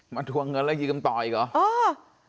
มาถั่วเงินและยืมต่ออีกเหรอ